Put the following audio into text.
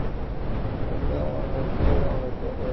দক্ষিণ এশিয়ায় পাখিটি অনিয়মিত ও এ প্রজাতি দেখার ঘটনা খুব কম।